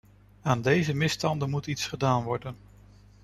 Aan deze misstanden moet iets gedaan worden.